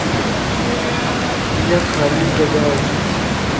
ايا خالي جڳا ائي